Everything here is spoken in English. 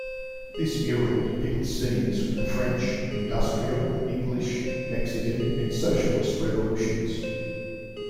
This mural depicts scenes from the French, Industrial, English, Mexican and Socialist Revolutions.